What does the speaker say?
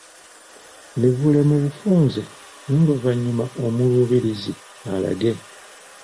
Mivule mu bufunze n’oluvannyuma omuluubirizi alage